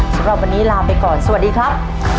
สำหรับวันนี้ลาไปก่อนสวัสดีครับ